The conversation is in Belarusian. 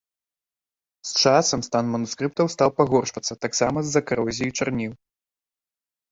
З часам стан манускрыптаў стаў пагаршацца таксама з-за карозіі чарніў.